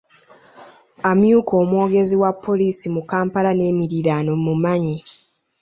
Amyuka omwogezi wa poliisi mu Kampala n'emiriraano mmumanyi.